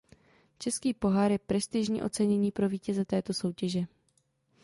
Český pohár je prestižní ocenění pro vítěze této soutěže.